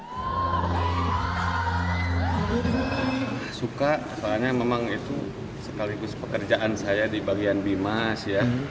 saya suka soalnya memang itu sekaligus pekerjaan saya di bagian bimas ya